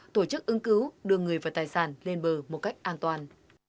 tổ chức ứng cứu đưa người và tài sản lên bờ một cách an toàn